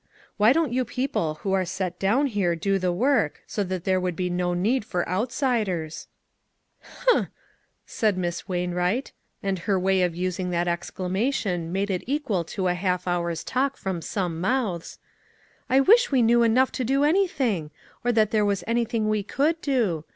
Why don't you people who are set down here do the work, so that there would be no need for outsiders ?" SHALL WE TRY? 1 03 " Humph !" said Miss Wainwright, and her way of using that exclamation made it equal to a half hour's talk from some mouths, " I wish we knew enough to do anything ; or that there were anything we could do.